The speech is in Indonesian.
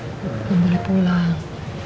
kamu boleh pulang